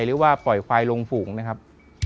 หรือว่าปล่อยควายลงฝูงนะครับ